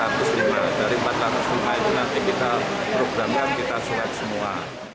dari empat ratus lima itu nanti kita programkan kita surat semua